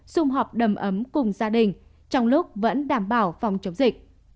xung họp đầm ấm cùng gia đình trong lúc vẫn đảm bảo phòng chống dịch